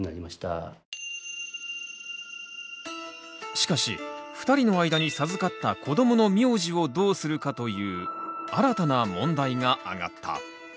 しかし２人の間に授かった子どもの名字をどうするかという新たな問題があがった。